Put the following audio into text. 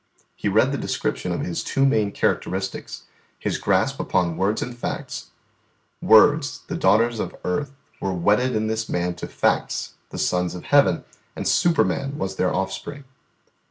He read the description of his two main characteristics, his grasp upon words and facts; "words, the daughters of earth, were wedded in this man to facts, the sons of heaven, and Superman was their offspring."